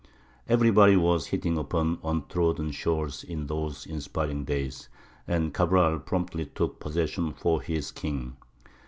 Everybody was hitting upon untrodden shores in those inspiring days, and Cabral promptly took possession for his king.